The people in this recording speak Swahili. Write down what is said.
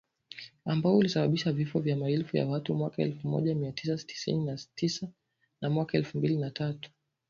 ambao ulisababishwa vifo vya maelfu ya watu mwaka elfu moja mia tisa tisini na tisa na mwaka elfu mbili na tatu